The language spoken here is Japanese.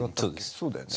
そうだよね。